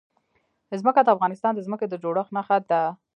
ځمکه د افغانستان د ځمکې د جوړښت نښه ده.